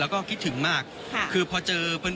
ก็คิดถึงมากคือพอเจอ